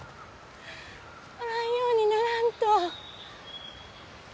おらんようにならんと。